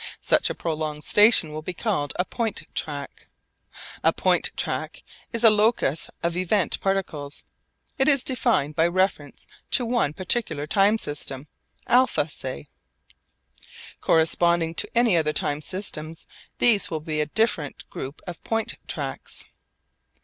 Such a prolonged station will be called a point track. A point track is a locus of event particles. It is defined by reference to one particular time system, α say. Corresponding to any other time system these will be a different group of point tracks.